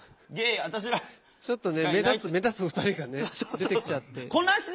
ちょっとね目立つ２人がね出てきちゃって。